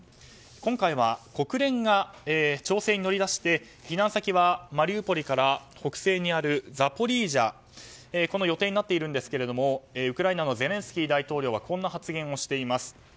今回は国連が調整に乗り出して避難先はマリウポリから北西にあるザポリージャの予定になっているんですがウクライナのゼレンスキー大統領はこんな発言をしています。